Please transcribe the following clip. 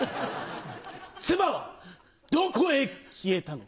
妻はどこへ消えたのか？